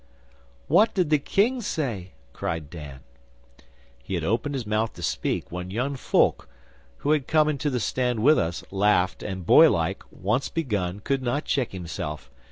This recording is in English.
'What did the King say?' cried Dan. 'He had opened his mouth to speak, when young Fulke, who had come into the stand with us, laughed, and, boy like, once begun, could not check himself.